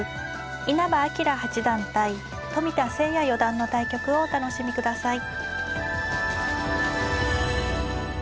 稲葉陽八段対冨田誠也四段の対局をお楽しみください。